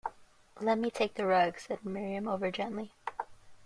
“Let me take the rug,” said Miriam over-gently.